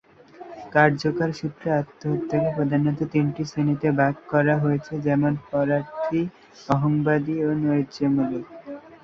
কার্যকারণসূত্রে আত্মহত্যাকে প্রধানত তিনটি শ্রেণিতে ভাগ করা হয়, যেমন পরার্থী, অহংবাদী ও নৈরাজ্যমূলক।